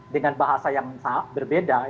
dengan bahasa yang berbeda